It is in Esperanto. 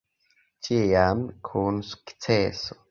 Ĉiam kun sukceso.